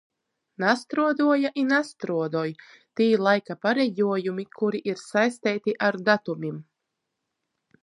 Nastruoduoja i nastruodoj tī laika pareguojumi, kuri ir saisteiti ar datumim.